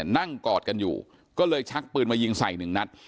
นั่งกอดกันอยู่ก็เลยชลักปืนมายิงใส่๑นัท